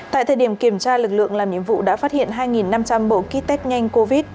tại thời điểm kiểm tra lực lượng làm nhiệm vụ đã phát hiện hai năm trăm linh bộ kit test nhanh covid